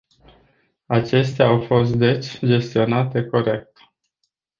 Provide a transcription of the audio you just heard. Acestea au fost deci gestionate corect.